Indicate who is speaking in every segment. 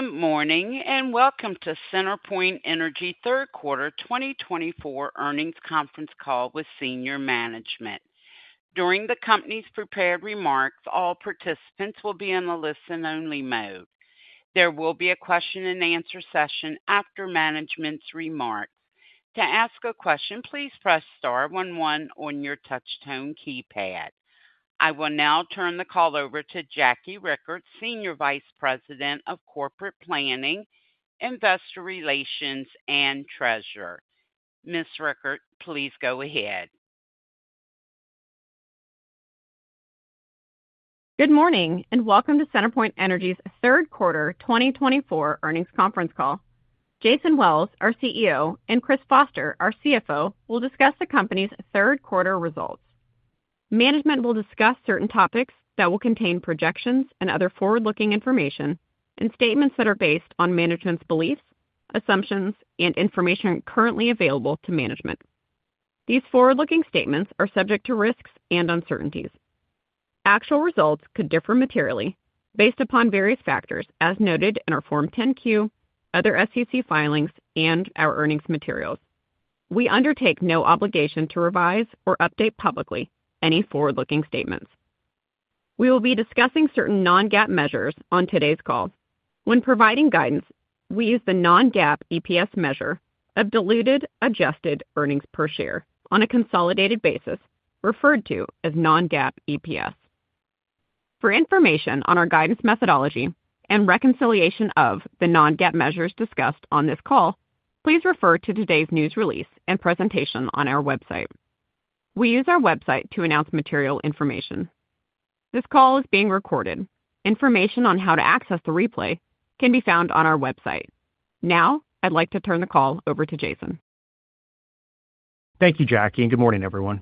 Speaker 1: Good morning, and welcome to CenterPoint Energy Third Quarter 2024 Earnings Conference Call with senior management. During the company's prepared remarks, all participants will be in the listen-only mode. There will be a question-and-answer session after management's remarks. To ask a question, please press star one one on your Touch-Tone
Speaker 2: Good morning, and welcome to CenterPoint Energy's Third Quarter 2024 Earnings Conference Call. Jason Wells, our CEO, and Chris Foster, our CFO, will discuss the company's Third Quarter results. Management will discuss certain topics that will contain projections and other forward-looking information and statements that are based on management's beliefs, assumptions, and information currently available to management. These forward-looking statements are subject to risks and uncertainties. Actual results could differ materially based upon various factors as noted in our Form 10-Q, other SEC filings, and our earnings materials. We undertake no obligation to revise or update publicly any forward-looking statements. We will be discussing certain non-GAAP measures on today's call. When providing guidance, we use the non-GAAP EPS measure of diluted adjusted earnings per share on a consolidated basis, referred to as non-GAAP EPS. For information on our guidance methodology and reconciliation of the non-GAAP measures discussed on this call, please refer to today's news release and presentation on our website. We use our website to announce material information. This call is being recorded. Information on how to access the replay can be found on our website. Now, I'd like to turn the call over to Jason.
Speaker 3: Thank you, Jackie, and good morning, everyone.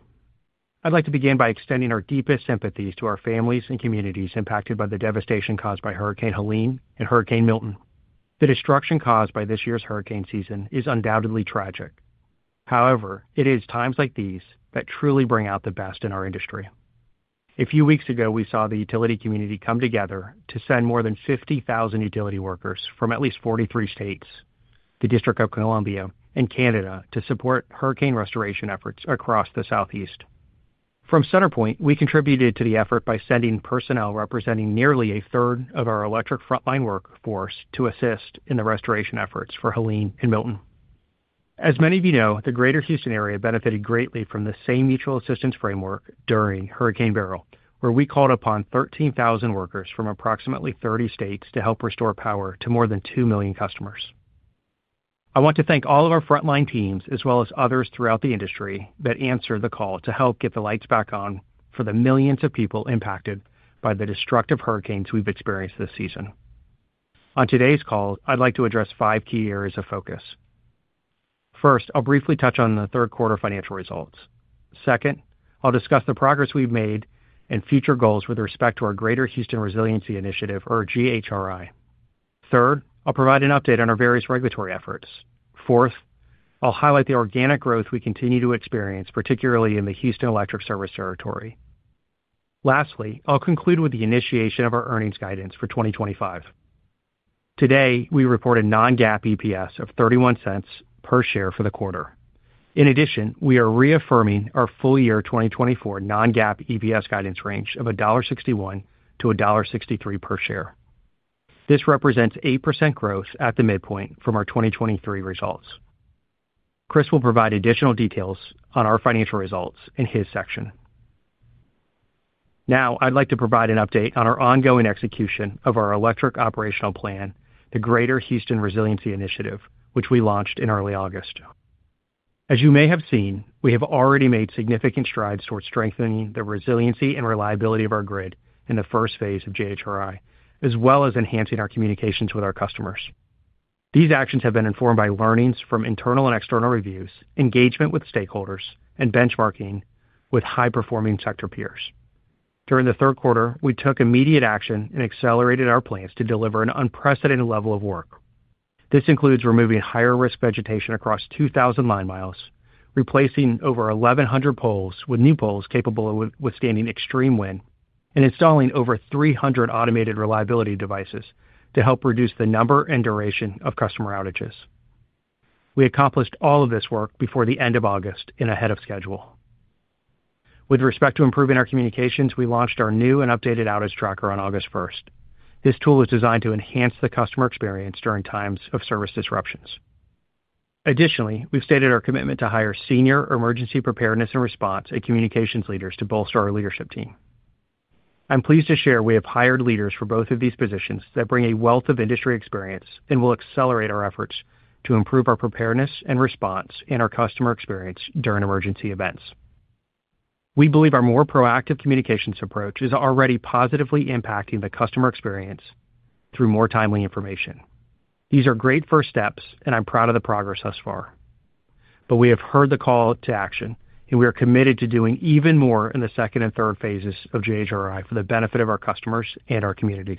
Speaker 3: I'd like to begin by extending our deepest sympathies to our families and communities impacted by the devastation caused by Hurricane Helene and Hurricane Milton. The destruction caused by this year's hurricane season is undoubtedly tragic. However, it is times like these that truly bring out the best in our industry. A few weeks ago, we saw the utility community come together to send more than 50,000 utility workers from at least 43 states, the District of Columbia, and Canada to support hurricane restoration efforts across the Southeast. From CenterPoint, we contributed to the effort by sending personnel representing nearly a third of our electric frontline workforce to assist in the restoration efforts for Helene and Milton. As many of you know, the Greater Houston area benefited greatly from the same mutual assistance framework during Hurricane Beryl, where we called upon 13,000 workers from approximately 30 states to help restore power to more than 2 million customers. I want to thank all of our frontline teams, as well as others throughout the industry, that answered the call to help get the lights back on for the millions of people impacted by the destructive hurricanes we've experienced this season. On today's call, I'd like to address 5 key areas of focus. First, I'll briefly touch on the Third Quarter financial results. Second, I'll discuss the progress we've made and future goals with respect to our Greater Houston Resiliency Initiative, or GHRI. Third, I'll provide an update on our various regulatory efforts. Fourth, I'll highlight the organic growth we continue to experience, particularly in the Houston Electric service territory. Lastly, I'll conclude with the initiation of our earnings guidance for 2025. Today, we report a non-GAAP EPS of $0.31 per share for the quarter. In addition, we are reaffirming our full year 2024 non-GAAP EPS guidance range of $1.61-$1.63 per share. This represents 8% growth at the midpoint from our 2023 results. Chris will provide additional details on our financial results in his section. Now, I'd like to provide an update on our ongoing execution of our electric operational plan, the Greater Houston Resiliency Initiative, which we launched in early August. As you may have seen, we have already made significant strides towards strengthening the resiliency and reliability of our grid in the first phase of GHRI, as well as enhancing our communications with our customers. These actions have been informed by learnings from internal and external reviews, engagement with stakeholders, and benchmarking with high-performing sector peers. During the Third Quarter, we took immediate action and accelerated our plans to deliver an unprecedented level of work. This includes removing higher-risk vegetation across 2,000 line miles, replacing over 1,100 poles with new poles capable of withstanding extreme wind, and installing over 300 automated reliability devices to help reduce the number and duration of customer outages. We accomplished all of this work before the end of August and ahead of schedule. With respect to improving our communications, we launched our new and updated outage tracker on August first. This tool was designed to enhance the customer experience during times of service disruptions. Additionally, we've stated our commitment to hire senior emergency preparedness and response and communications leaders to bolster our leadership team. I'm pleased to share we have hired leaders for both of these positions that bring a wealth of industry experience and will accelerate our efforts to improve our preparedness and response and our customer experience during emergency events. We believe our more proactive communications approach is already positively impacting the customer experience through more timely information. These are great first steps, and I'm proud of the progress thus far, but we have heard the call to action, and we are committed to doing even more in the second and third phases of GHRI for the benefit of our customers and our communities.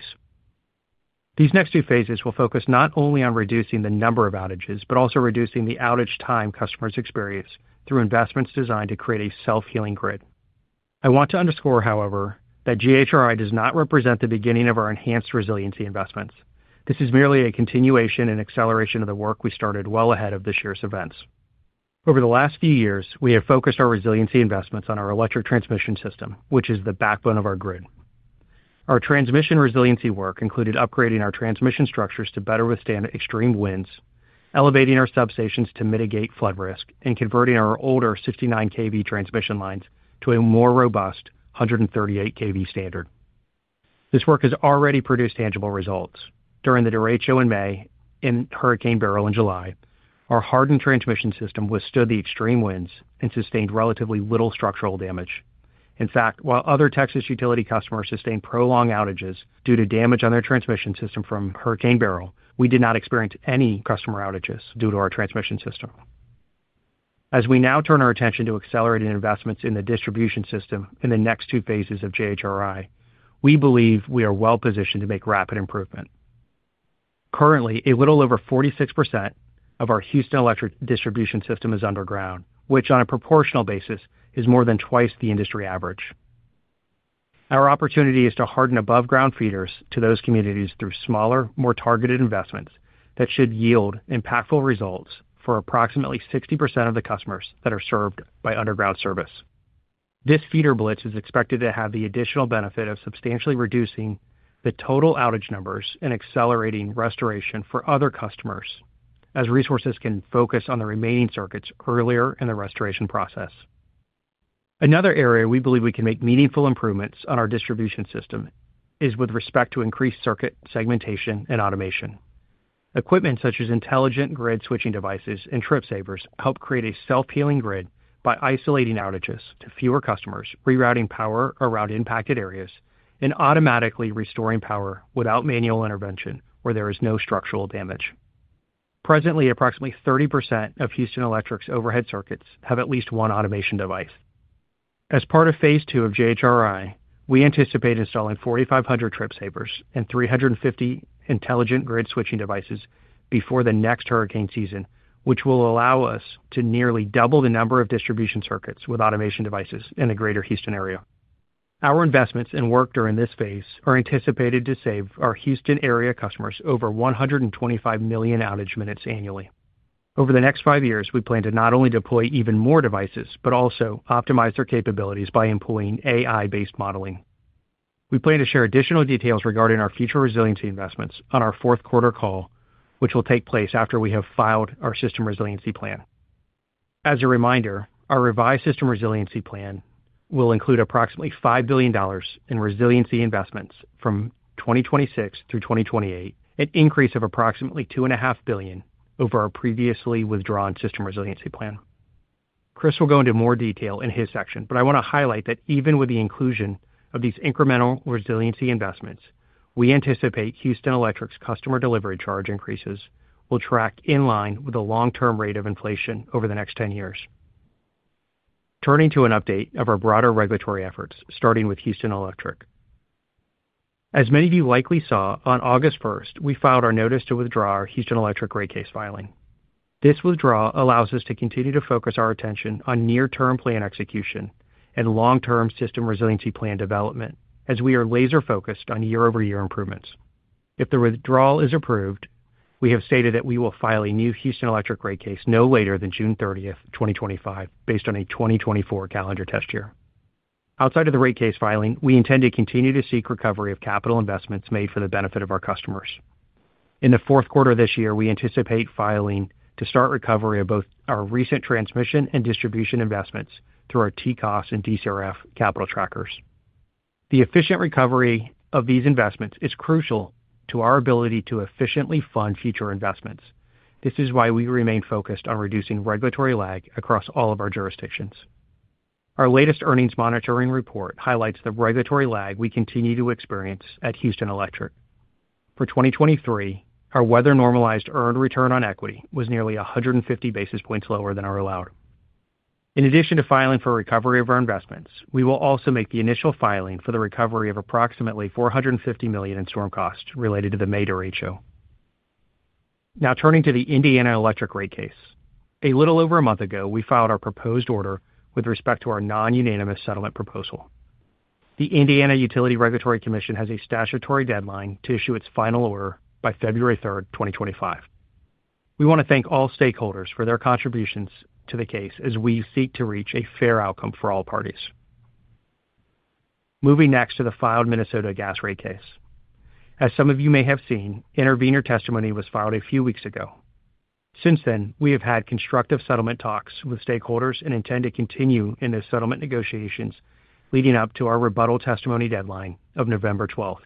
Speaker 3: These next two phases will focus not only on reducing the number of outages, but also reducing the outage time customers experience through investments designed to create a self-healing grid. I want to underscore, however, that GHRI does not represent the beginning of our enhanced resiliency investments. This is merely a continuation and acceleration of the work we started well ahead of this year's events. Over the last few years, we have focused our resiliency investments on our electric transmission system, which is the backbone of our grid. Our transmission resiliency work included upgrading our transmission structures to better withstand extreme winds, elevating our substations to mitigate flood risk, and converting our older 69 kV transmission lines to a more robust 138 kV standard. This work has already produced tangible results. During the derecho in May and Hurricane Beryl in July, our hardened transmission system withstood the extreme winds and sustained relatively little structural damage. In fact, while other Texas utility customers sustained prolonged outages due to damage on their transmission system from Hurricane Beryl, we did not experience any customer outages due to our transmission system. As we now turn our attention to accelerating investments in the distribution system in the next two phases of GHRI, we believe we are well-positioned to make rapid improvement. Currently, a little over 46% of our Houston Electric distribution system is underground, which on a proportional basis, is more than twice the industry average. Our opportunity is to harden aboveground feeders to those communities through smaller, more targeted investments that should yield impactful results for approximately 60% of the customers that are served by underground service. This feeder blitz is expected to have the additional benefit of substantially reducing the total outage numbers and accelerating restoration for other customers, as resources can focus on the remaining circuits earlier in the restoration process. Another area we believe we can make meaningful improvements on our distribution system is with respect to increased circuit segmentation and automation. Equipment such as intelligent grid switching devices and TripSavers help create a self-healing grid by isolating outages to fewer customers, rerouting power around impacted areas, and automatically restoring power without manual intervention where there is no structural damage. Presently, approximately 30% of Houston Electric's overhead circuits have at least one automation device. As part of Phase II of GHRI, we anticipate installing 4,500 TripSavers and 350 intelligent grid switching devices before the next hurricane season, which will allow us to nearly double the number of distribution circuits with automation devices in the Greater Houston area. Our investments and work during this phase are anticipated to save our Houston area customers over 125 million outage minutes annually. Over the next 5 years, we plan to not only deploy even more devices, but also optimize their capabilities by employing AI-based modeling. We plan to share additional details regarding our future resiliency investments on our fourth quarter call, which will take place after we have filed our System Resiliency Plan. As a reminder, our revised System Resiliency Plan will include approximately $5 billion in resiliency investments from 2026 through 2028, an increase of approximately $2.5 billion over our previously withdrawn System Resiliency Plan. Chris will go into more detail in his section, but I want to highlight that even with the inclusion of these incremental resiliency investments, we anticipate Houston Electric's customer delivery charge increases will track in line with the long-term rate of inflation over the next 10 years. Turning to an update of our broader regulatory efforts, starting with Houston Electric. As many of you likely saw, on August first, we filed our notice to withdraw our Houston Electric rate case filing. This withdrawal allows us to continue to focus our attention on near-term plan execution and long-term System Resiliency Plan development, as we are laser-focused on year-over-year improvements. If the withdrawal is approved, we have stated that we will file a new Houston Electric rate case no later than June thirtieth, 2025, based on a 2024 calendar test year. Outside of the rate case filing, we intend to continue to seek recovery of capital investments made for the benefit of our customers. In the fourth quarter this year, we anticipate filing to start recovery of both our recent transmission and distribution investments through our TCOS and DCRF capital trackers. The efficient recovery of these investments is crucial to our ability to efficiently fund future investments. This is why we remain focused on reducing regulatory lag across all of our jurisdictions. Our latest Earnings Monitoring Report highlights the regulatory lag we continue to experience at Houston Electric. For 2023, our weather-normalized earned return on equity was nearly 150 basis points lower than our allowed. In addition to filing for recovery of our investments, we will also make the initial filing for the recovery of approximately $450 million in storm costs related to the May derecho. Now, turning to the Indiana Electric rate case. A little over a month ago, we filed our proposed order with respect to our non-unanimous settlement proposal. The Indiana Utility Regulatory Commission has a statutory deadline to issue its final order by February 3, 2025. We want to thank all stakeholders for their contributions to the case as we seek to reach a fair outcome for all parties. Moving next to the filed Minnesota Gas rate case. As some of you may have seen, intervenor testimony was filed a few weeks ago. Since then, we have had constructive settlement talks with stakeholders and intend to continue in the settlement negotiations leading up to our rebuttal testimony deadline of November twelfth.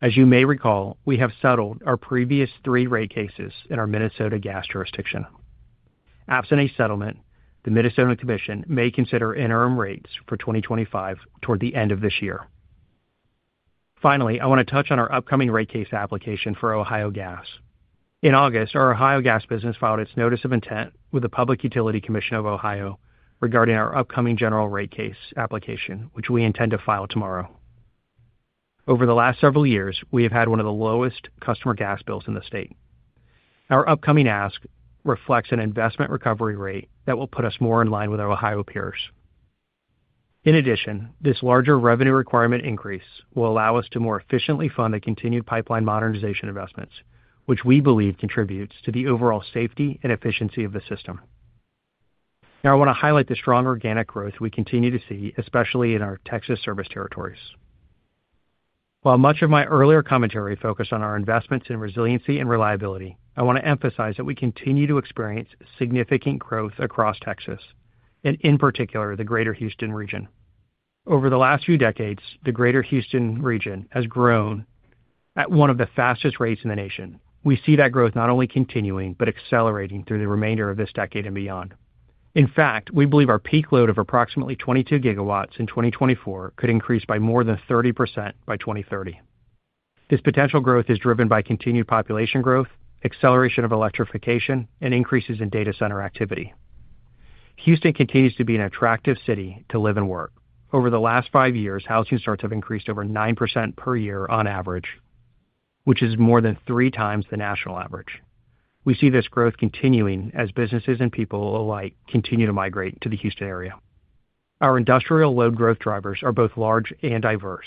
Speaker 3: As you may recall, we have settled our previous three rate cases in our Minnesota Gas jurisdiction. Absent a settlement, the Minnesota Commission may consider interim rates for 2025 toward the end of this year. Finally, I want to touch on our upcoming rate case application for Ohio Gas. In August, our Ohio Gas business filed its notice of intent with the Public Utilities Commission of Ohio regarding our upcoming general rate case application, which we intend to file tomorrow.... Over the last several years, we have had one of the lowest customer gas bills in the state. Our upcoming ask reflects an investment recovery rate that will put us more in line with our Ohio peers. In addition, this larger revenue requirement increase will allow us to more efficiently fund the continued pipeline modernization investments, which we believe contributes to the overall safety and efficiency of the system. Now, I want to highlight the strong organic growth we continue to see, especially in our Texas service territories. While much of my earlier commentary focused on our investments in resiliency and reliability, I want to emphasize that we continue to experience significant growth across Texas and, in particular, the Greater Houston region. Over the last few decades, the Greater Houston region has grown at one of the fastest rates in the nation. We see that growth not only continuing, but accelerating through the remainder of this decade and beyond. In fact, we believe our peak load of approximately 22 gigawatts in 2024 could increase by more than 30% by 2030. This potential growth is driven by continued population growth, acceleration of electrification, and increases in data center activity. Houston continues to be an attractive city to live and work. Over the last five years, housing starts have increased over 9% per year on average, which is more than three times the national average. We see this growth continuing as businesses and people alike continue to migrate to the Houston area. Our industrial load growth drivers are both large and diverse.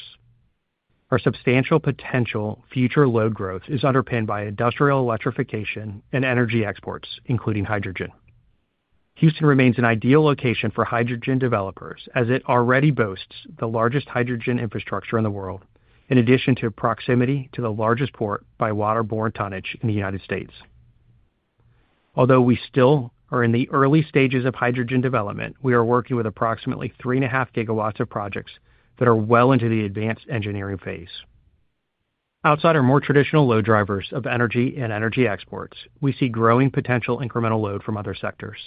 Speaker 3: Our substantial potential future load growth is underpinned by industrial electrification and energy exports, including hydrogen. Houston remains an ideal location for hydrogen developers, as it already boasts the largest hydrogen infrastructure in the world, in addition to proximity to the largest port by waterborne tonnage in the United States. Although we still are in the early stages of hydrogen development, we are working with approximately 3.5 gigawatts of projects that are well into the advanced engineering phase. Outside our more traditional load drivers of energy and energy exports, we see growing potential incremental load from other sectors.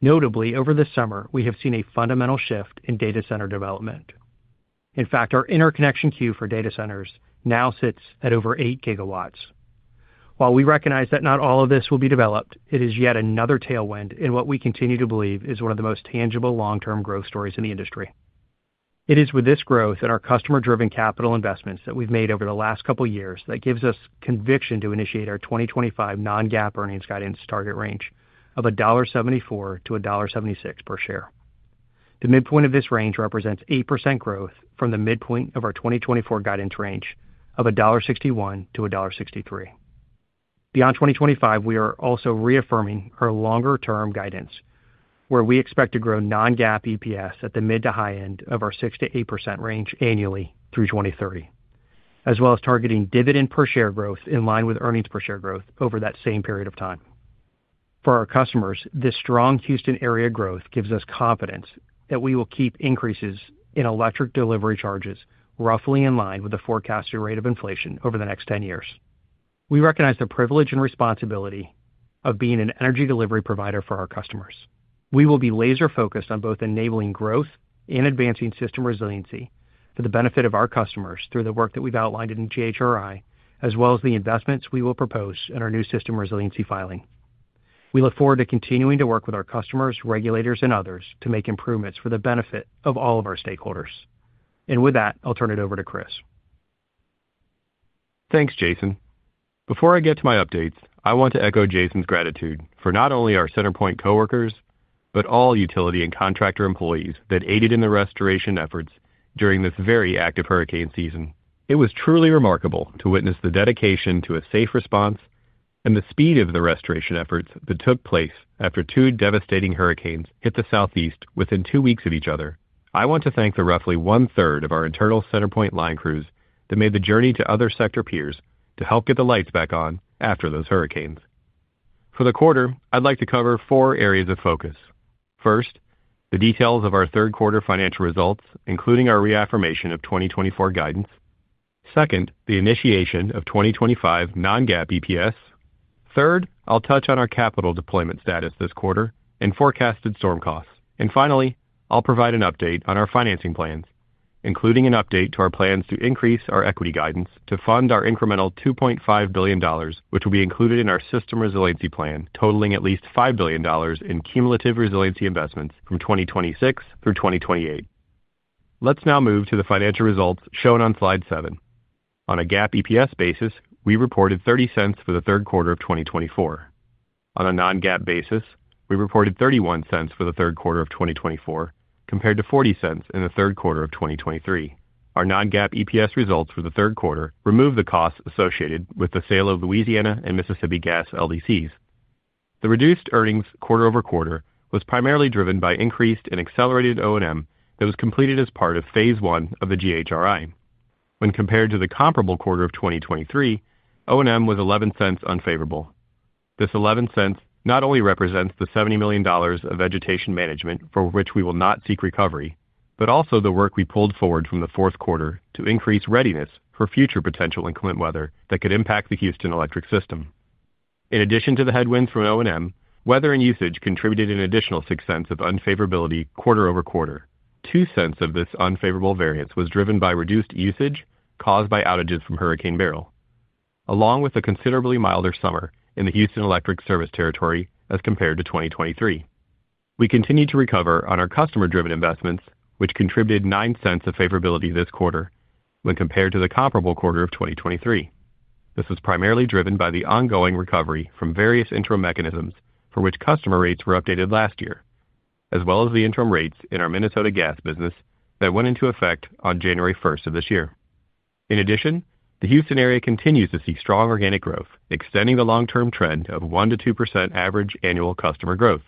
Speaker 3: Notably, over this summer, we have seen a fundamental shift in data center development. In fact, our interconnection queue for data centers now sits at over 8 gigawatts. While we recognize that not all of this will be developed, it is yet another tailwind in what we continue to believe is one of the most tangible long-term growth stories in the industry. It is with this growth and our customer-driven capital investments that we've made over the last couple of years that gives us conviction to initiate our 2025 non-GAAP earnings guidance target range of $1.74-$1.76 per share. The midpoint of this range represents 8% growth from the midpoint of our 2024 guidance range of $1.61-$1.63. Beyond 2025, we are also reaffirming our longer-term guidance, where we expect to grow non-GAAP EPS at the mid to high end of our 6%-8% range annually through 2030, as well as targeting dividend per share growth in line with earnings per share growth over that same period of time. For our customers, this strong Houston area growth gives us confidence that we will keep increases in electric delivery charges roughly in line with the forecasted rate of inflation over the next ten years. We recognize the privilege and responsibility of being an energy delivery provider for our customers. We will be laser-focused on both enabling growth and advancing system resiliency for the benefit of our customers through the work that we've outlined in GHRI, as well as the investments we will propose in our new system resiliency filing. We look forward to continuing to work with our customers, regulators, and others to make improvements for the benefit of all of our stakeholders. and with that, I'll turn it over to Chris.
Speaker 4: Thanks, Jason. Before I get to my updates, I want to echo Jason's gratitude for not only our CenterPoint coworkers, but all utility and contractor employees that aided in the restoration efforts during this very active hurricane season. It was truly remarkable to witness the dedication to a safe response and the speed of the restoration efforts that took place after two devastating hurricanes hit the Southeast within two weeks of each other. I want to thank the roughly one-third of our internal CenterPoint line crews that made the journey to other sector peers to help get the lights back on after those hurricanes. For the quarter, I'd like to cover four areas of focus. First, the details of our Third Quarter financial results, including our reaffirmation of 2024 guidance. Second, the initiation of 2025 non-GAAP EPS. Third, I'll touch on our capital deployment status this quarter and forecasted storm costs, and finally, I'll provide an update on our financing plans, including an update to our plans to increase our equity guidance to fund our incremental $2.5 billion, which will be included in our System Resiliency Plan, totaling at least $5 billion in cumulative resiliency investments from 2026 through 2028. Let's now move to the financial results shown on slide 7. On a GAAP EPS basis, we reported $0.30 for the Third Quarter of 2024. On a non-GAAP basis, we reported $0.31 for the Third Quarter of 2024, compared to $0.40 in the Third Quarter of 2023. Our non-GAAP EPS results for the Third Quarter removed the costs associated with the sale of Louisiana and Mississippi Gas LDCs. The reduced earnings quarter over quarter was primarily driven by increased and accelerated O&M that was completed as part of Phase I of the GHRI. When compared to the comparable quarter of 2023, O&M was 11 cents unfavorable. This 11 cents not only represents the $70 million of vegetation management for which we will not seek recovery, but also the work we pulled forward from the fourth quarter to increase readiness for future potential inclement weather that could impact the Houston Electric system. In addition to the headwinds from O&M, weather and usage contributed an additional 6 cents of unfavorability quarter over quarter. Two cents of this unfavorable variance was driven by reduced usage caused by outages from Hurricane Beryl, along with a considerably milder summer in the Houston Electric service territory as compared to 2023. We continued to recover on our customer-driven investments, which contributed $0.09 of favorability this quarter when compared to the comparable quarter of 2023. This was primarily driven by the ongoing recovery from various interim mechanisms for which customer rates were updated last year, as well as the interim rates in our Minnesota gas business that went into effect on January first of this year. In addition, the Houston area continues to see strong organic growth, extending the long-term trend of 1%-2% average annual customer growth.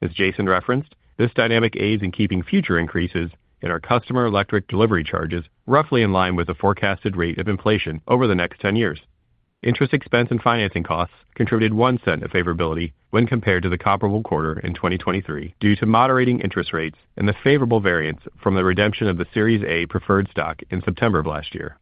Speaker 4: As Jason referenced, this dynamic aids in keeping future increases in our customer electric delivery charges roughly in line with the forecasted rate of inflation over the next 10 years. Interest expense and financing costs contributed $0.01 of favorability when compared to the comparable quarter in 2023, due to moderating interest rates and the favorable variance from the redemption of the Series A preferred stock in September of last year.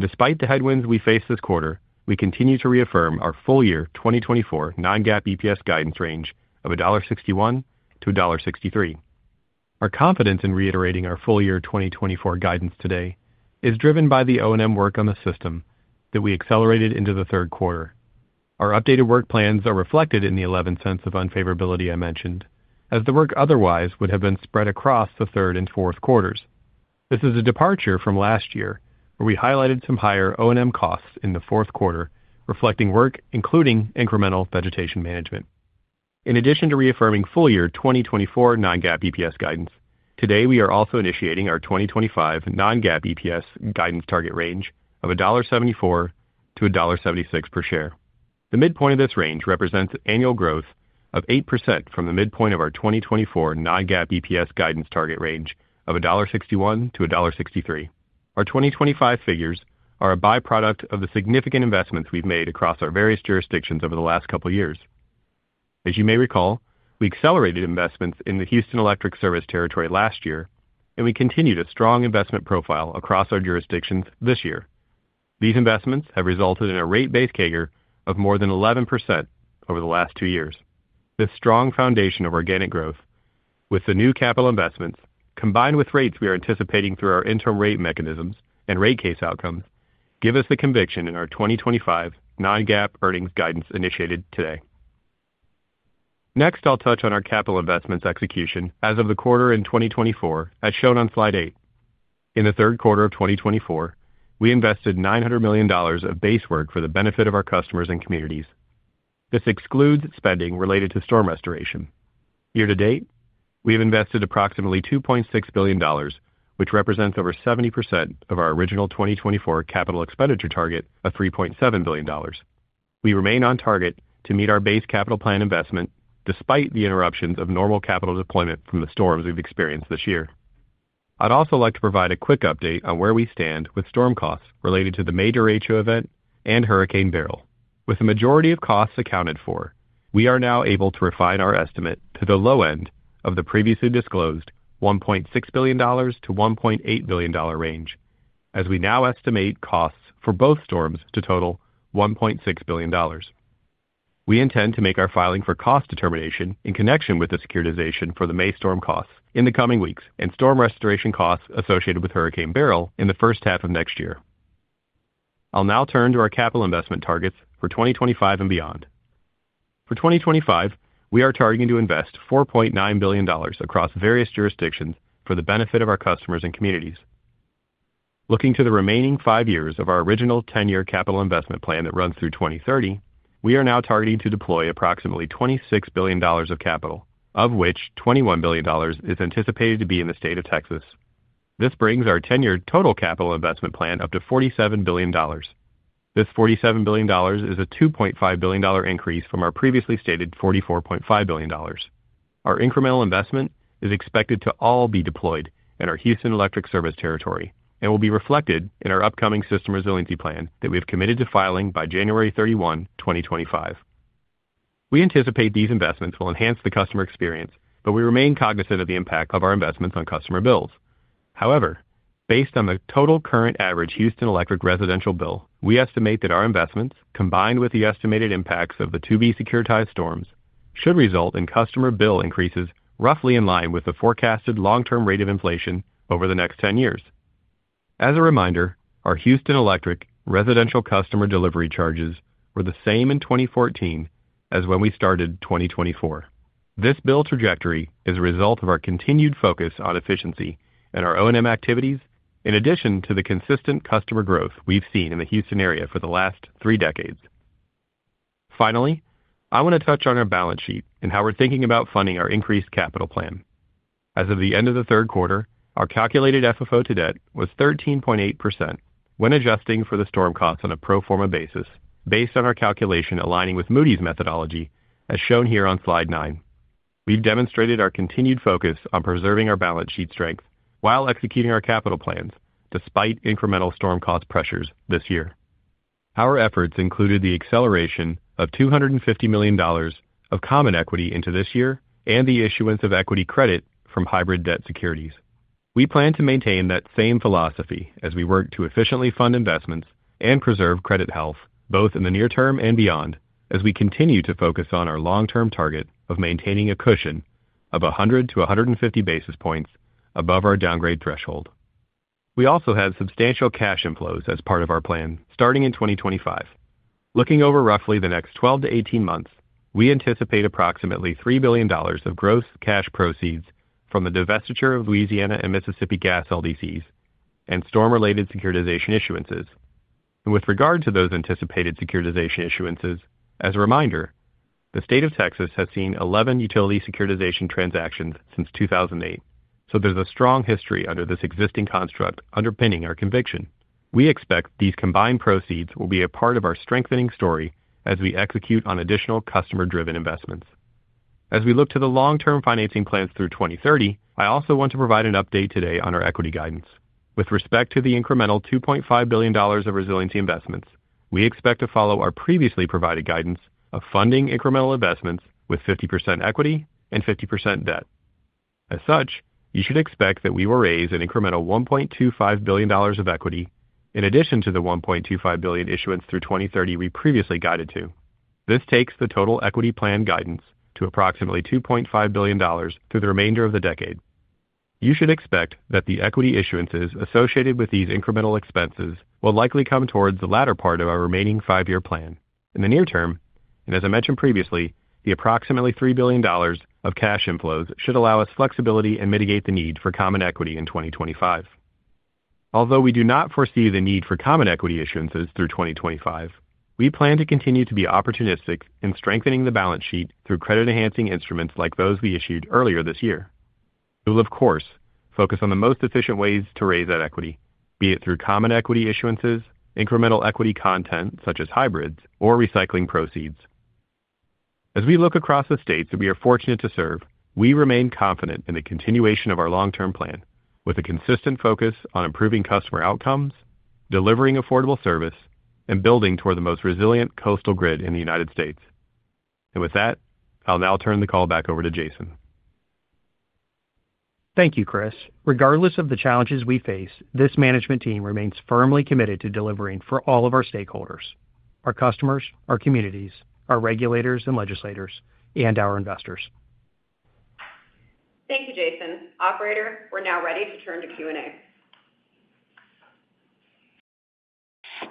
Speaker 4: Despite the headwinds we face this quarter, we continue to reaffirm our full-year 2024 non-GAAP EPS guidance range of $1.61-$1.63. Our confidence in reiterating our full-year 2024 guidance today is driven by the O&M work on the system that we accelerated into the Third Quarter. Our updated work plans are reflected in the $0.11 of unfavorability I mentioned, as the work otherwise would have been spread across the third and fourth quarters. This is a departure from last year, where we highlighted some higher O&M costs in the fourth quarter, reflecting work, including incremental vegetation management. In addition to reaffirming full-year 2024 non-GAAP EPS guidance, today we are also initiating our 2025 non-GAAP EPS guidance target range of $1.74-$1.76 per share. The midpoint of this range represents annual growth of 8% from the midpoint of our 2024 non-GAAP EPS guidance target range of $1.61-$1.63. Our 2025 figures are a byproduct of the significant investments we've made across our various jurisdictions over the last couple of years. As you may recall, we accelerated investments in the Houston Electric service territory last year, and we continued a strong investment profile across our jurisdictions this year. These investments have resulted in a rate base CAGR of more than 11% over the last two years. This strong foundation of organic growth with the new capital investments, combined with rates we are anticipating through our interim rate mechanisms and rate case outcomes, give us the conviction in our 2025 non-GAAP earnings guidance initiated today. Next, I'll touch on our capital investments execution as of the quarter in 2024, as shown on slide 8. In the Third Quarter of 2024, we invested $900 million of base work for the benefit of our customers and communities. This excludes spending related to storm restoration. Year to date, we have invested approximately $2.6 billion, which represents over 70% of our original 2024 capital expenditure target of $3.7 billion. We remain on target to meet our base capital plan investment despite the interruptions of normal capital deployment from the storms we've experienced this year. I'd also like to provide a quick update on where we stand with storm costs related to the major derecho event and Hurricane Beryl. With the majority of costs accounted for, we are now able to refine our estimate to the low end of the previously disclosed $1.6 billion-$1.8 billion range, as we now estimate costs for both storms to total $1.6 billion. We intend to make our filing for cost determination in connection with the securitization for the May storm costs in the coming weeks and storm restoration costs associated with Hurricane Beryl in the first half of next year. I'll now turn to our capital investment targets for 2025 and beyond. For 2025, we are targeting to invest $4.9 billion across various jurisdictions for the benefit of our customers and communities. Looking to the remaining five years of our original ten-year capital investment plan that runs through 2030, we are now targeting to deploy approximately $26 billion of capital, of which $21 billion is anticipated to be in the state of Texas. This brings our ten-year total capital investment plan up to $47 billion. This $47 billion is a $2.5 billion increase from our previously stated $44.5 billion. Our incremental investment is expected to all be deployed in our Houston Electric service territory and will be reflected in our upcoming System Resiliency Plan that we have committed to filing by January 31, 2025. We anticipate these investments will enhance the customer experience, but we remain cognizant of the impact of our investments on customer bills. However, based on the total current average Houston Electric residential bill, we estimate that our investments, combined with the estimated impacts of the to-be securitized storms, should result in customer bill increases roughly in line with the forecasted long-term rate of inflation over the next ten years. As a reminder, our Houston Electric residential customer delivery charges were the same in twenty fourteen as when we started 2024. This bill trajectory is a result of our continued focus on efficiency and our O&M activities, in addition to the consistent customer growth we've seen in the Houston area for the last three decades. Finally, I want to touch on our balance sheet and how we're thinking about funding our increased capital plan. As of the end of the Third Quarter, our calculated FFO to debt was 13.8% when adjusting for the storm costs on a pro forma basis, based on our calculation aligning with Moody's methodology, as shown here on slide nine. We've demonstrated our continued focus on preserving our balance sheet strength while executing our capital plans, despite incremental storm cost pressures this year. Our efforts included the acceleration of $250 million of common equity into this year and the issuance of equity credit from hybrid debt securities. We plan to maintain that same philosophy as we work to efficiently fund investments and preserve credit health, both in the near term and beyond, as we continue to focus on our long-term target of maintaining a cushion of 100 to 150 basis points above our downgrade threshold. We also have substantial cash inflows as part of our plan, starting in 2025. Looking over roughly the next 12-18 months, we anticipate approximately $3 billion of gross cash proceeds from the divestiture of Louisiana and Mississippi Gas LDCs and storm-related securitization issuances, and with regard to those anticipated securitization issuances, as a reminder, the state of Texas has seen 11 utility securitization transactions since 2008, so there's a strong history under this existing construct underpinning our conviction. We expect these combined proceeds will be a part of our strengthening story as we execute on additional customer-driven investments. As we look to the long-term financing plans through 2030, I also want to provide an update today on our equity guidance. With respect to the incremental $2.5 billion of resiliency investments, we expect to follow our previously provided guidance of funding incremental investments with 50% equity and 50% debt. As such, you should expect that we will raise an incremental $1.25 billion of equity in addition to the $1.25 billion issuance through 2030 we previously guided to. This takes the total equity plan guidance to approximately $2.5 billion through the remainder of the decade. You should expect that the equity issuances associated with these incremental expenses will likely come towards the latter part of our remaining five-year plan. In the near term, and as I mentioned previously, the approximately $3 billion of cash inflows should allow us flexibility and mitigate the need for common equity in 2025. Although we do not foresee the need for common equity issuances through 2025, we plan to continue to be opportunistic in strengthening the balance sheet through credit-enhancing instruments like those we issued earlier this year. We'll, of course, focus on the most efficient ways to raise that equity, be it through common equity issuances, incremental equity content, such as hybrids or recycling proceeds. As we look across the states that we are fortunate to serve, we remain confident in the continuation of our long-term plan, with a consistent focus on improving customer outcomes, delivering affordable service, and building toward the most resilient coastal grid in the United States. And with that, I'll now turn the call back over to Jason.
Speaker 3: Thank you, Chris. Regardless of the challenges we face, this management team remains firmly committed to delivering for all of our stakeholders, our customers, our communities, our regulators and legislators, and our investors.
Speaker 2: Thank you, Jason. Operator, we're now ready to turn to Q&A.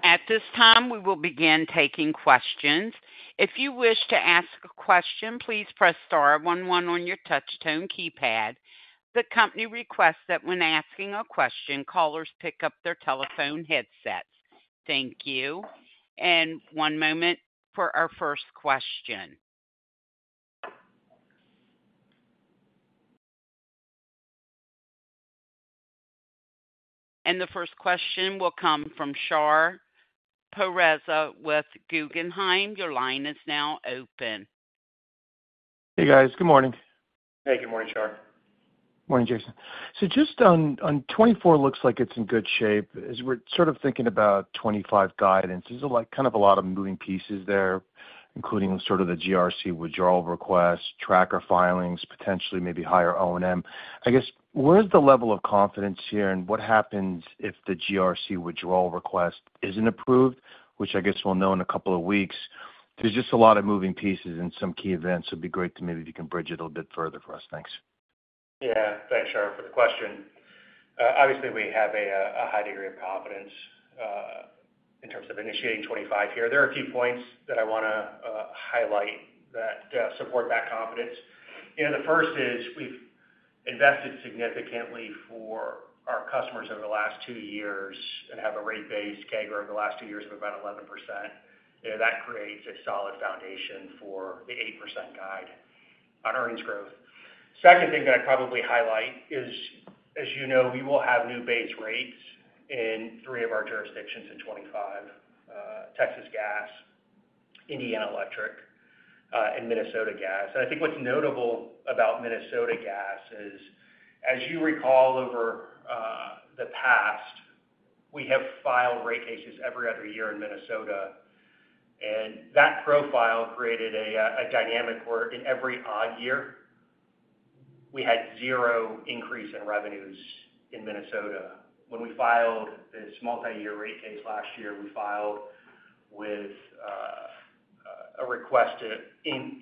Speaker 1: At this time, we will begin taking questions. If you wish to ask a question, please press star one one on your Touch-Tone keypad. The company requests that when asking a question, callers pick up their telephone headsets. Thank you, and one moment for our first question. The first question will come from Shar Pourreza with Guggenheim. Your line is now open.
Speaker 5: Hey, guys. Good morning.
Speaker 3: Hey, good morning, Shar.
Speaker 5: Morning, Jason. So just on 2024 looks like it's in good shape. As we're sort of thinking about 2025 guidance, there's, like, kind of a lot of moving pieces there, including sort of the GRC withdrawal request, tracker filings, potentially maybe higher O&M. I guess, where is the level of confidence here, and what happens if the GRC withdrawal request isn't approved, which I guess we'll know in a couple of weeks? There's just a lot of moving pieces and some key events. It'd be great to maybe if you can bridge it a little bit further for us. Thanks.
Speaker 3: Yeah. Thanks, Shar, for the question. Obviously, we have a high degree of confidence in terms of initiating 2025 here. There are a few points that I want to highlight that support that confidence. And the first is, we've invested significantly for our customers over the last two years and have a rate base CAGR over the last two years of about 11%. You know, that creates a solid foundation for the 8% guide on earnings growth. Second thing that I'd probably highlight is, as you know, we will have new base rates in three of our jurisdictions in 2025, Texas Gas, Indiana Electric, and Minnesota Gas. I think what's notable about Minnesota Gas is, as you recall, over the past, we have filed rate cases every other year in Minnesota, and that profile created a dynamic where in every odd year, we had zero increase in revenues in Minnesota. When we filed this multi-year rate case last year, we filed with a request to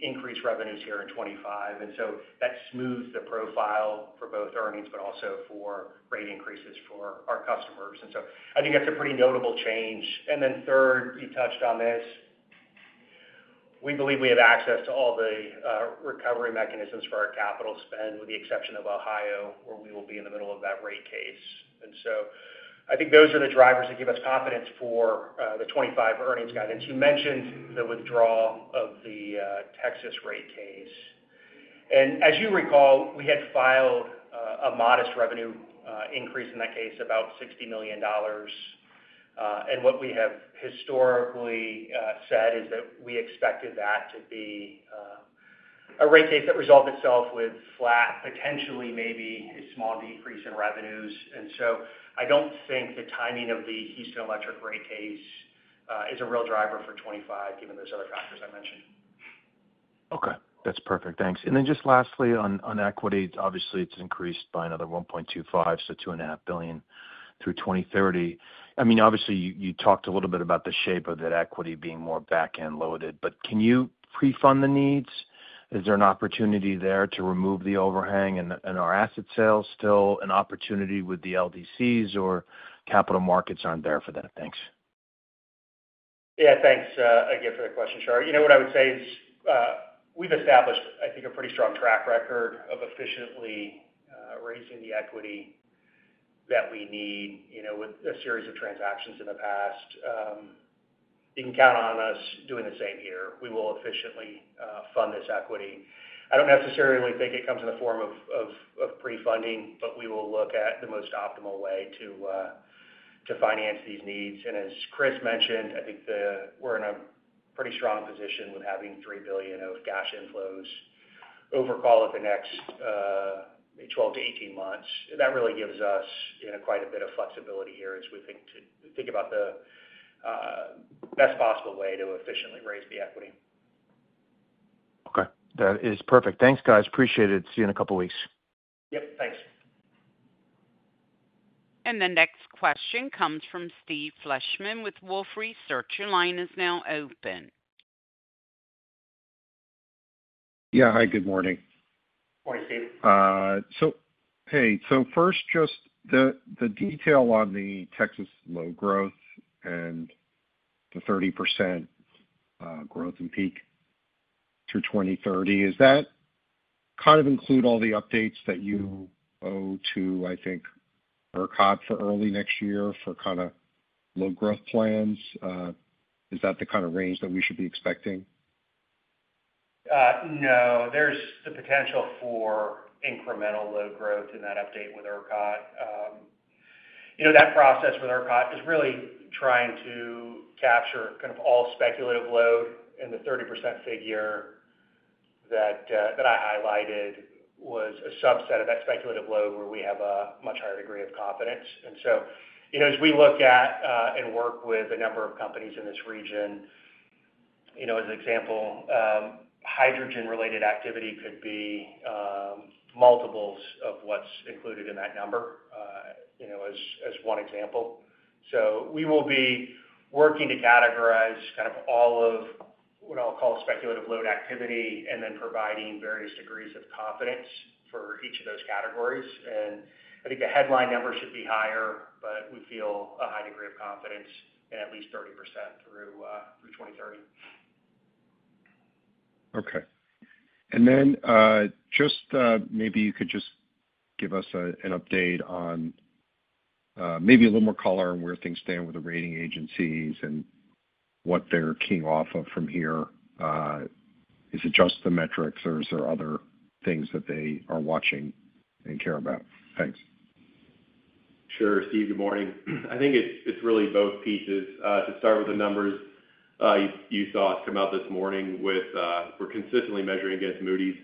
Speaker 3: increase revenues here in 2025, and so that smooths the profile for both earnings but also for rate increases for our customers. And so I think that's a pretty notable change. And then third, you touched on this. We believe we have access to all the recovery mechanisms for our capital spend, with the exception of Ohio, where we will be in the middle of that rate case. And so I think those are the drivers that give us confidence for the 2025 earnings guidance. You mentioned the withdrawal of the Texas rate case. And as you recall, we had filed a modest revenue increase in that case, about $60 million. And what we have historically said is that we expected that to be a rate case that resolved itself with flat, potentially maybe a small decrease in revenues. And so I don't think the timing of the Houston Electric rate case is a real driver for 2025, given those other factors I mentioned.
Speaker 5: Okay. That's perfect. Thanks. And then just lastly, on, on equity, obviously, it's increased by another $1.25 billion, so $2.5 billion.
Speaker 6: through 2030. I mean, obviously, you, you talked a little bit about the shape of that equity being more back-end loaded, but can you pre-fund the needs? Is there an opportunity there to remove the overhang and, and are asset sales still an opportunity with the LDCs or capital markets aren't there for that? Thanks.
Speaker 3: Yeah, thanks, again, for the question, Shar. You know, what I would say is, we've established, I think, a pretty strong track record of efficiently raising the equity that we need, you know, with a series of transactions in the past. You can count on us doing the same here. We will efficiently fund this equity. I don't necessarily think it comes in the form of pre-funding, but we will look at the most optimal way to finance these needs, as Chris mentioned. I think we're in a pretty strong position with having $3 billion of cash inflows overall, over the next 12 to 18 months. That really gives us, you know, quite a bit of flexibility here as we think about the best possible way to efficiently raise the equity.
Speaker 5: Okay, that is perfect. Thanks, guys. Appreciate it. See you in a couple of weeks.
Speaker 3: Yep, thanks.
Speaker 1: The next question comes from Steve Fleishman with Wolfe Research. Your line is now open.
Speaker 7: Yeah. Hi, good morning.
Speaker 3: Morning, Steve.
Speaker 7: So, hey, so first, just the detail on the Texas load growth and the 30% growth in peak through 2030, is that kind of include all the updates that you owe to, I think, ERCOT for early next year for kind of load growth plans? Is that the kind of range that we should be expecting?
Speaker 3: No, there's the potential for incremental load growth in that update with ERCOT. You know, that process with ERCOT is really trying to capture kind of all speculative load, and the 30% figure that I highlighted was a subset of that speculative load where we have a much higher degree of confidence. And so, you know, as we look at and work with a number of companies in this region, you know, as an example, hydrogen-related activity could be multiples of what's included in that number, you know, as one example. So we will be working to categorize kind of all of what I'll call speculative load activity, and then providing various degrees of confidence for each of those categories. I think the headline number should be higher, but we feel a high degree of confidence in at least 30% through 2030.
Speaker 7: Okay. And then, just, maybe you could just give us an update on, maybe a little more color on where things stand with the rating agencies and what they're keying off of from here. Is it just the metrics, or is there other things that they are watching and care about? Thanks.
Speaker 4: Sure, Steve, good morning. I think it's really both pieces. To start with the numbers, you saw us come out this morning with we're consistently measuring against Moody's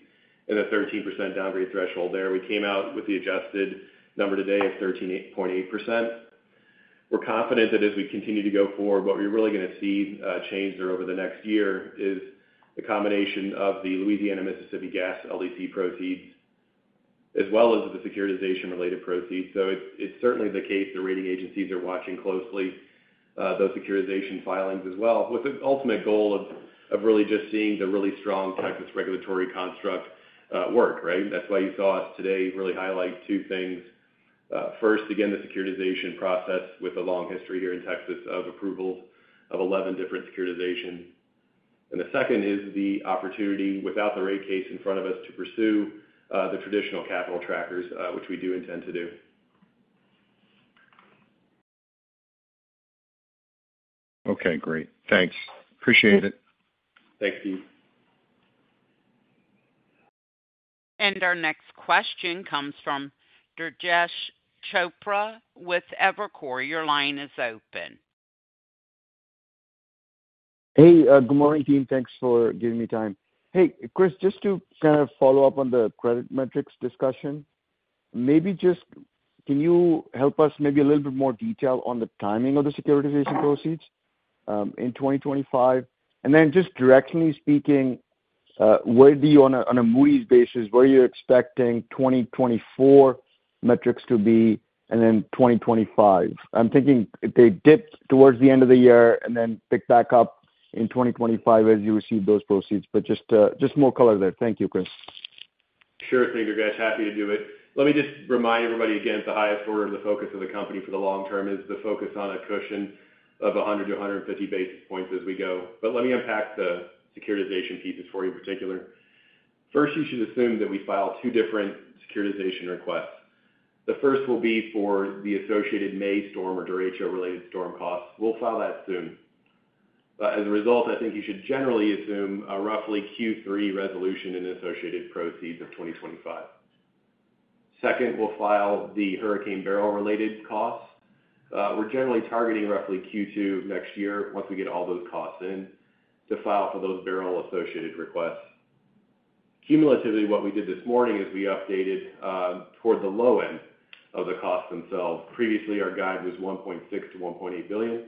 Speaker 4: and a 13% downgrade threshold there. We came out with the adjusted number today of 13.8%. We're confident that as we continue to go forward, what you're really gonna see change there over the next year is the combination of the Louisiana-Mississippi gas LDC proceeds, as well as the securitization-related proceeds. So it's certainly the case the rating agencies are watching closely those securitization filings as well, with the ultimate goal of really just seeing the really strong Texas regulatory construct work, right? That's why you saw us today really highlight two things. First, again, the securitization process with a long history here in Texas of approvals of eleven different securitizations. And the second is the opportunity, without the rate case in front of us, to pursue the traditional capital trackers, which we do intend to do.
Speaker 7: Okay, great. Thanks. Appreciate it.
Speaker 4: Thanks, Steve.
Speaker 1: Our next question comes from Durgesh Chopra with Evercore. Your line is open.
Speaker 8: Hey, good morning, team. Thanks for giving me time. Hey, Chris, just to kind of follow up on the credit metrics discussion, maybe just can you help us maybe a little bit more detail on the timing of the securitization proceeds in 2025? And then just directionally speaking, where do you on a, on a Moody's basis, where are you expecting 2024 metrics to be and then 2025? I'm thinking if they dip towards the end of the year and then pick back up in 2025 as you receive those proceeds, but just, just more color there. Thank you, Chris.
Speaker 4: Sure thing, Durgesh. Happy to do it. Let me just remind everybody again, the highest order and the focus of the company for the long term is the focus on a cushion of 100-150 basis points as we go. But let me unpack the securitization pieces for you in particular. First, you should assume that we file two different securitization requests. The first will be for the associated May storm or derecho-related storm costs. We'll file that soon. But as a result, I think you should generally assume a roughly Q3 resolution and associated proceeds in 2025. Second, we'll file the Hurricane Beryl-related costs. We're generally targeting roughly Q2 next year, once we get all those costs in, to file for those Beryl-associated requests. Cumulatively, what we did this morning is we updated toward the low end of the costs themselves. Previously, our guide was $1.6-$1.8 billion.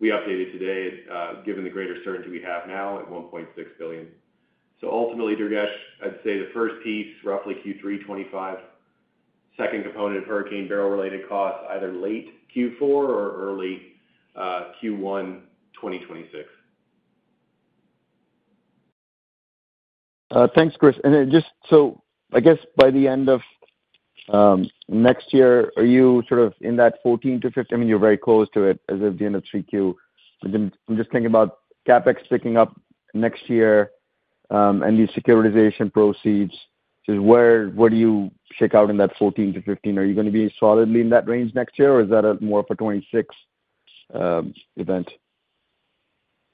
Speaker 4: We updated today, given the greater certainty we have now, at $1.6 billion. So ultimately, Durgesh, I'd say the first piece, roughly Q3 2025, second component of Hurricane Beryl-related costs, either late Q4 or early Q1 2026.
Speaker 9: Thanks, Chris. And then just so, I guess by the end of next year, are you sort of in that fourteen to fifteen? I mean, you're very close to it as of the end of 3Q. I'm just thinking about CapEx picking up next year, and the securitization proceeds. Just where do you shake out in that fourteen to fifteen? Are you gonna be solidly in that range next year, or is that more for a twenty six event?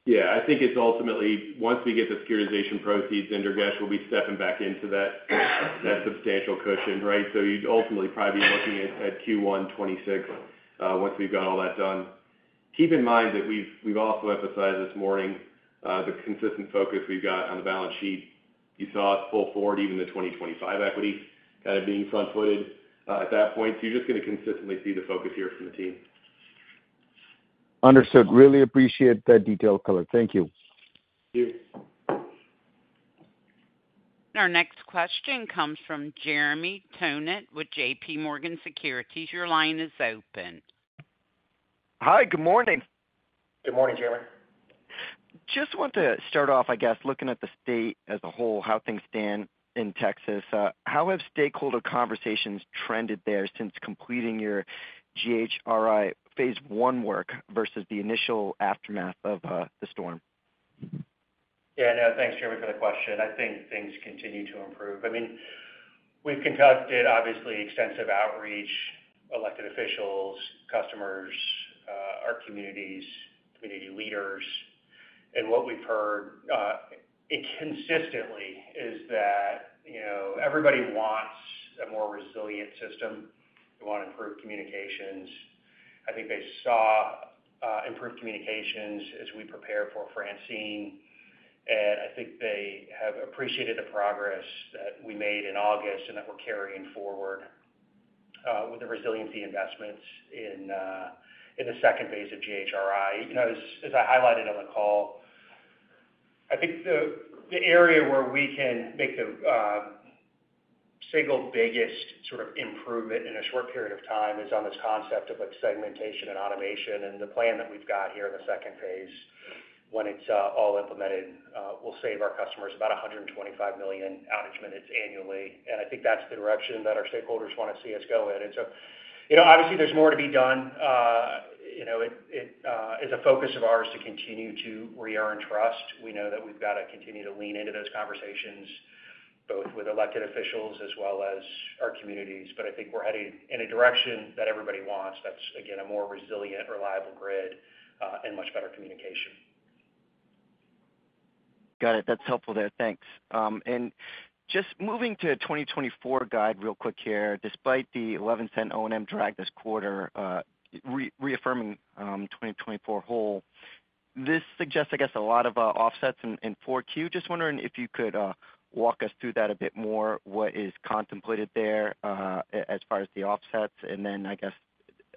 Speaker 4: Yeah, I think it's ultimately, once we get the securitization proceeds in, Durgesh, we'll be stepping back into that substantial cushion, right? So you'd ultimately probably be looking at Q1 twenty-six, once we've got all that done. Keep in mind that we've also emphasized this morning, the consistent focus we've got on the balance sheet. You saw us pull forward even the twenty 2025 equity kind of being front-footed, at that point. So you're just gonna consistently see the focus here from the team.
Speaker 9: Understood. Really appreciate that detailed color. Thank you.
Speaker 4: Thank you.
Speaker 1: Our next question comes from Jeremy Tonet with J.P. Morgan. Your line is open.
Speaker 10: Hi, good morning.
Speaker 4: Good morning, Jeremy.
Speaker 10: Just want to start off, I guess, looking at the state as a whole, how things stand in Texas. How have stakeholder conversations trended there since completing your GHRI Phase I work versus the initial aftermath of the storm?
Speaker 3: Yeah, no, thanks, Jeremy, for the question. I think things continue to improve. I mean, we've conducted, obviously, extensive outreach, elected officials, customers, our communities, community leaders. And what we've heard consistently is that, you know, everybody wants a more resilient system. They want improved communications. I think they saw improved communications as we prepare for Francine, and I think they have appreciated the progress that we made in August and that we're carrying forward with the resiliency investments in the second phase of GHRI. You know, as I highlighted on the call, I think the area where we can make the single biggest sort of improvement in a short period of time is on this concept of, like, segmentation and automation. The plan that we've got here in the second phase, when it's all implemented, will save our customers about 125 million outage minutes annually. I think that's the direction that our stakeholders want to see us go in. So, you know, obviously there's more to be done. You know, it is a focus of ours to continue to reearn trust. We know that we've got to continue to lean into those conversations, both with elected officials as well as our communities. But I think we're heading in a direction that everybody wants. That's, again, a more resilient, reliable grid and much better communication.
Speaker 10: Got it. That's helpful there. Thanks. Just moving to 2024 guide real quick here. Despite the 11-cent O&M drag this quarter, reaffirming 2024 goal, this suggests, I guess, a lot of offsets in 4Q. Just wondering if you could walk us through that a bit more, what is contemplated there, as far as the offsets, and then I guess,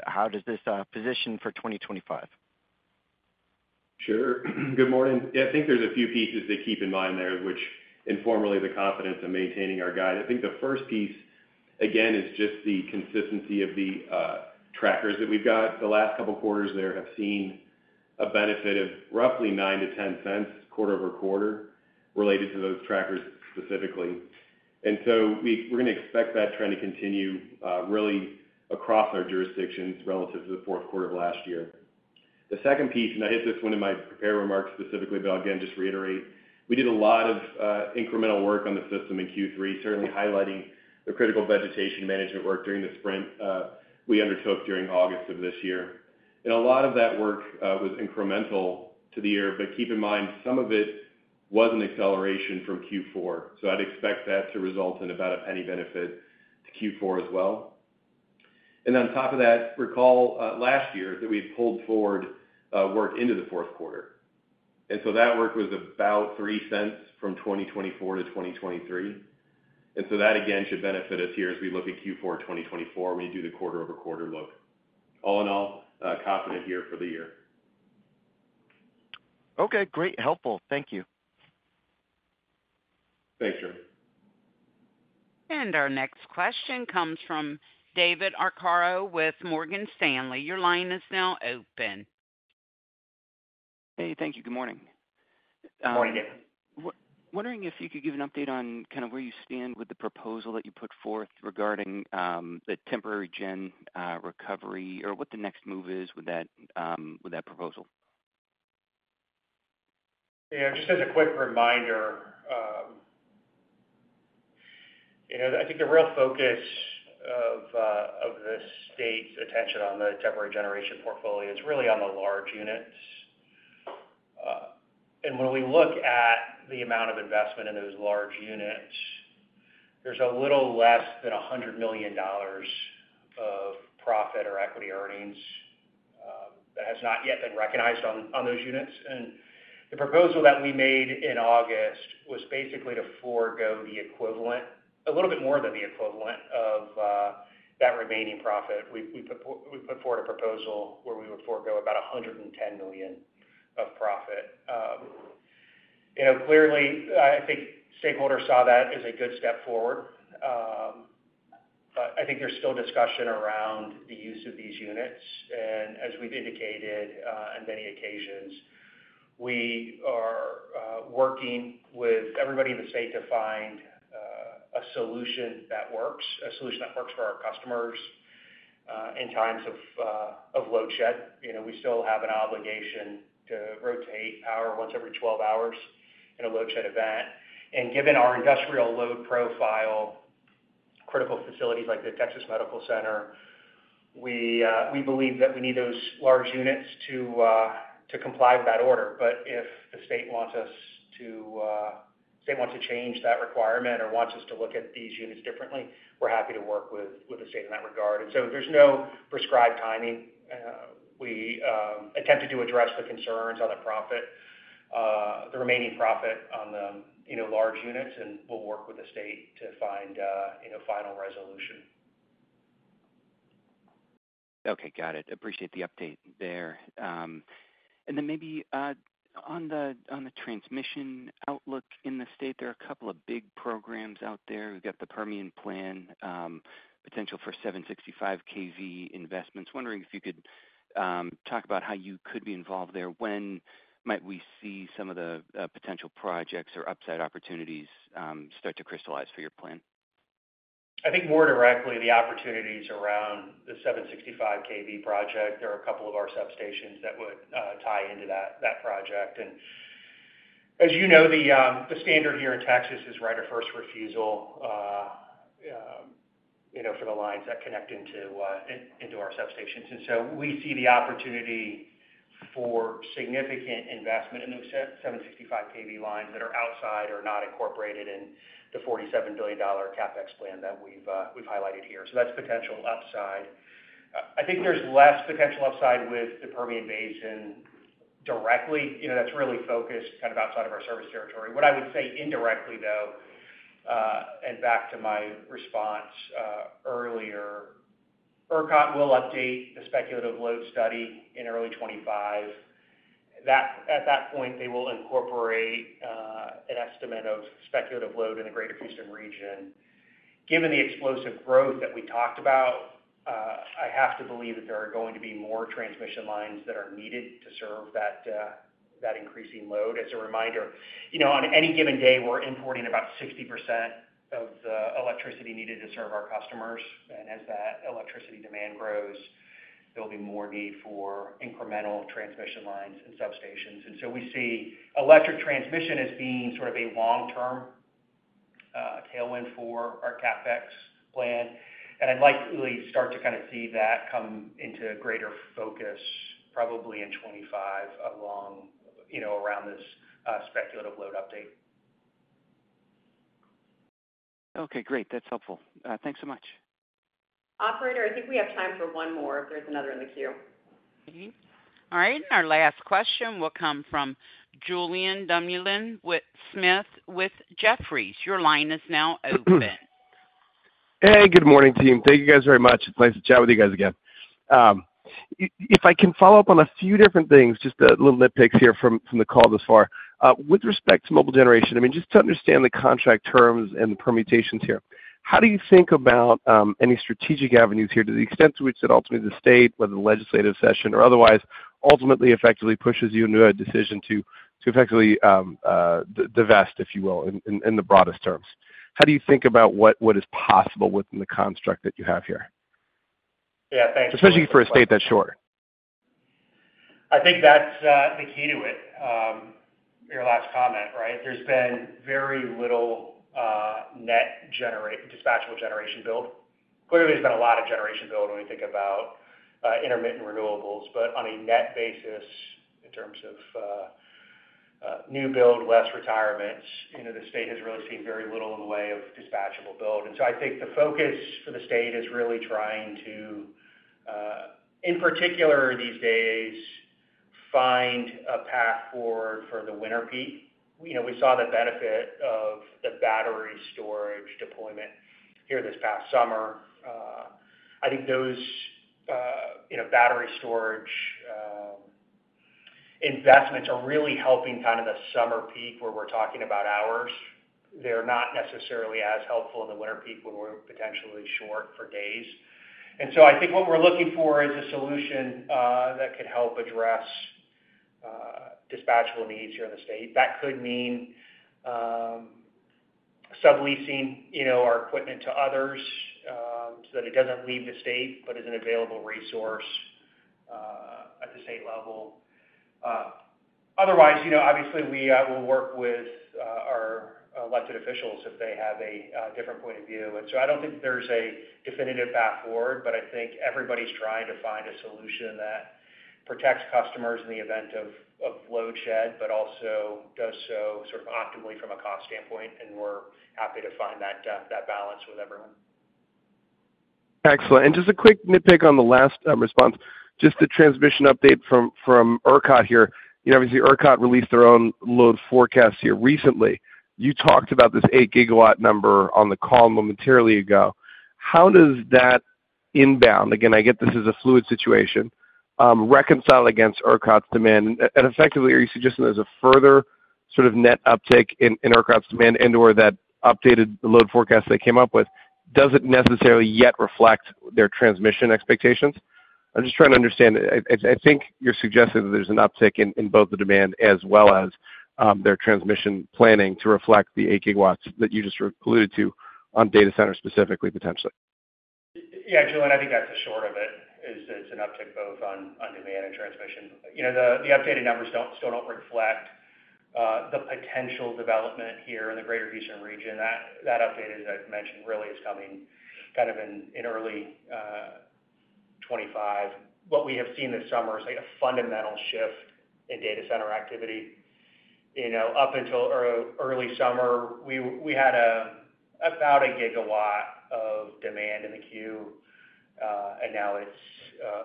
Speaker 10: how does this position for 2025?
Speaker 4: Sure. Good morning. Yeah, I think there's a few pieces to keep in mind there, which informally, the confidence of maintaining our guide. I think the first piece, again, is just the consistency of the trackers that we've got. The last couple quarters there have seen a benefit of roughly $0.09-$0.10, quarter over quarter, related to those trackers specifically. And so we're gonna expect that trend to continue, really across our jurisdictions relative to the fourth quarter of last year. The second piece, and I hit this one in my prepared remarks specifically, but again, just to reiterate, we did a lot of incremental work on the system in Q3, certainly highlighting the critical vegetation management work during the spring, we undertook during August of this year. And a lot of that work was incremental to the year, but keep in mind, some of it was an acceleration from Q4, so I'd expect that to result in about a $0.01 benefit to Q4 as well. And on top of that, recall, last year that we had pulled forward work into the fourth quarter. And so that work was about $0.03 from 2024 to 2023. And so that, again, should benefit us here as we look at Q4 in 2024, when we do the quarter over quarter look. All in all, confident here for the year.
Speaker 10: Okay, great. Helpful. Thank you.
Speaker 4: Thanks, Jeremy.
Speaker 1: Our next question comes from David Arcaro with Morgan Stanley. Your line is now open.
Speaker 11: Hey, thank you. Good morning.
Speaker 4: Good morning, David.
Speaker 11: Wondering if you could give an update on kind of where you stand with the proposal that you put forth regarding the temporary gen recovery, or what the next move is with that proposal?
Speaker 3: Yeah, just as a quick reminder, you know, I think the real focus of the state's attention on the temporary generation portfolio is really on the large units. And when we look at the amount of investment in those large units, there's a little less than $100 million of profit or equity earnings that has not yet been recognized on those units. And the proposal that we made in August was basically-... forego the equivalent, a little bit more than the equivalent of that remaining profit. We put forward a proposal where we would forego about $110 million of profit. You know, clearly, I think stakeholders saw that as a good step forward. But I think there's still discussion around the use of these units. And as we've indicated on many occasions, we are working with everybody in the state to find a solution that works for our customers in times of load shed. You know, we still have an obligation to rotate power once every 12 hours in a load shed event. Given our industrial load profile, critical facilities like the Texas Medical Center, we believe that we need those large units to comply with that order. But if the state wants us to, the state wants to change that requirement or wants us to look at these units differently, we're happy to work with the state in that regard. So there's no prescribed timing. We attempted to address the concerns on the profit, the remaining profit on the you know large units, and we'll work with the state to find you know final resolution.
Speaker 11: Okay, got it. Appreciate the update there. And then maybe on the transmission outlook in the state, there are a couple of big programs out there. We've got the Permian Plan, potential for 765 kV investments. Wondering if you could talk about how you could be involved there. When might we see some of the potential projects or upside opportunities start to crystallize for your plan?
Speaker 3: I think more directly, the opportunities around the 765 kV project, there are a couple of our substations that would tie into that project. And as you know, the standard here in Texas is right of first refusal, you know, for the lines that connect into our substations. And so we see the opportunity for significant investment in those 765 kV lines that are outside or not incorporated in the $47 billion CapEx plan that we've highlighted here. So that's potential upside. I think there's less potential upside with the Permian Basin directly. You know, that's really focused kind of outside of our service territory. What I would say indirectly, though, and back to my response earlier, ERCOT will update the speculative load study in early 2025. At that point, they will incorporate an estimate of speculative load in the Greater Houston region. Given the explosive growth that we talked about, I have to believe that there are going to be more transmission lines that are needed to serve that increasing load. As a reminder, you know, on any given day, we're importing about 60% of the electricity needed to serve our customers, and as that electricity demand grows, there'll be more need for incremental transmission lines and substations, and so we see electric transmission as being sort of a long-term tailwind for our CapEx plan, and I'd likely start to kind of see that come into greater focus probably in 2025 along, you know, around this speculative load update.
Speaker 11: Okay, great. That's helpful. Thanks so much.
Speaker 2: Operator, I think we have time for one more, if there's another in the queue.
Speaker 1: All right, and our last question will come from Julien Dumoulin-Smith with Jefferies. Your line is now open.
Speaker 12: Hey, good morning, team. Thank you, guys, very much. It's nice to chat with you guys again. If I can follow up on a few different things, just little nitpicks here from the call thus far. With respect to mobile generation, I mean, just to understand the contract terms and the permutations here, how do you think about any strategic avenues here to the extent to which it ultimately the state, whether the legislative session or otherwise, ultimately effectively pushes you into a decision to effectively divest, if you will, in the broadest terms? How do you think about what is possible within the construct that you have here?
Speaker 3: Yeah, thanks I think that's the key to it, your last comment, right? There's been very little net dispatchable generation build. Clearly, there's been a lot of generation build when we think about intermittent renewables, but on a net basis, in terms of new build, less retirements, you know, the state has really seen very little in the way of dispatchable build. And so I think the focus for the state is really trying to in particular these days, find a path forward for the winter peak. You know, we saw the benefit of the battery storage deployment here this past summer. I think those, you know, battery storage investments are really helping kind of the summer peak, where we're talking about hours. They're not necessarily as helpful in the winter peak, when we're potentially short for days. And so I think what we're looking for is a solution that could help address dispatchable needs here in the state. That could mean subleasing, you know, our equipment to others so that it doesn't leave the state but is an available resource at the state level. Otherwise, you know, obviously we will work with our elected officials if they have a different point of view. And so I don't think there's a definitive path forward, but I think everybody's trying to find a solution that protects customers in the event of load shed, but also does so sort of optimally from a cost standpoint, and we're happy to find that balance with everyone.
Speaker 12: Excellent. And just a quick nitpick on the last response, just the transmission update from ERCOT here. You know, obviously ERCOT released their own load forecast here recently. You talked about this eight gigawatt number on the call momentarily ago. How does that inbound, again, I get this is a fluid situation, reconcile against ERCOT's demand? And effectively, are you suggesting there's a further sort of net uptick in ERCOT's demand and/or that updated load forecast they came up with, does it necessarily yet reflect their transmission expectations? I'm just trying to understand. I think you're suggesting that there's an uptick in both the demand as well as their transmission planning to reflect the eight gigawatts that you just alluded to on data center specifically, potentially.
Speaker 3: Yeah, Julien, I think that's the short of it, is it's an uptick both on demand and transmission. You know, the updated numbers still don't reflect the potential development here in the Greater Houston region. That update, as I've mentioned, really is coming kind of in early 2025. What we have seen this summer is like a fundamental shift in data center activity. You know, up until early summer, we had about a gigawatt of demand in the queue, and now it's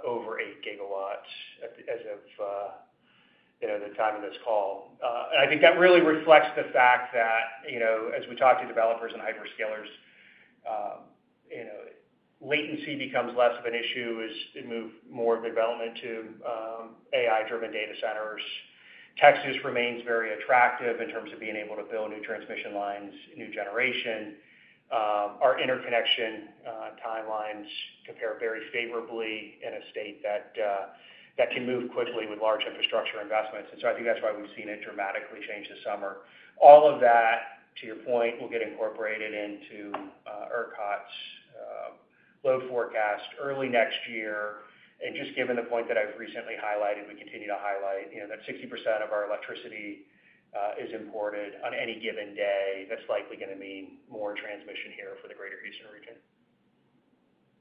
Speaker 3: over eight gigawatts as of you know, the time of this call. And I think that really reflects the fact that, you know, as we talk to developers and hyperscalers, you know, latency becomes less of an issue as they move more of development to AI-driven data centers. Texas remains very attractive in terms of being able to build new transmission lines, new generation. Our interconnection timelines compare very favorably in a state that can move quickly with large infrastructure investments. And so I think that's why we've seen it dramatically change this summer. All of that, to your point, will get incorporated into ERCOT's load forecast early next year. And just given the point that I've recently highlighted, we continue to highlight, you know, that 60% of our electricity is imported on any given day. That's likely gonna mean more transmission here for the Greater Houston region.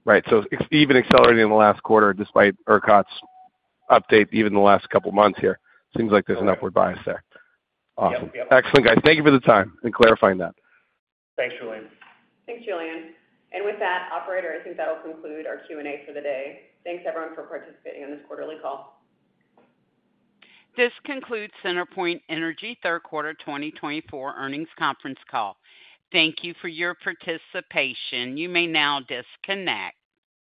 Speaker 12: Right, so even accelerating in the last quarter, despite ERCOT's update, even the last couple of months here, seems like there's an upward bias there.
Speaker 3: Yep.
Speaker 12: Awesome. Excellent, guys. Thank you for the time and clarifying that.
Speaker 3: Thanks, Julien.
Speaker 2: Thanks, Julien. And with that, operator, I think that will conclude our Q&A for the day. Thanks, everyone, for participating on this quarterly call.
Speaker 1: This concludes CenterPoint Energy Third Quarter 2024 earnings conference call. Thank you for your participation. You may now disconnect.